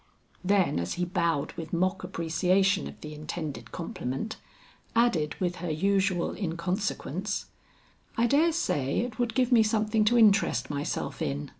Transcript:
Then as he bowed with mock appreciation of the intended compliment, added with her usual inconsequence, "I dare say it would give me something to interest myself in.